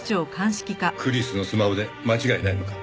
クリスのスマホで間違いないのか？